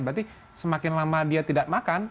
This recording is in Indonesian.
berarti semakin lama dia tidak makan